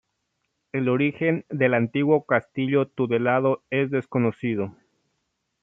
El origen del antiguo castillo tudelano es desconocido.